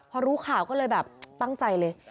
พอรู้ข่าวก็เลยแบบตั้งใจเลย